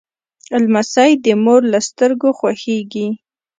لمسی د مور له سترګو خوښیږي.